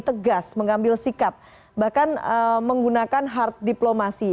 tegas mengambil sikap bahkan menggunakan hard diplomasi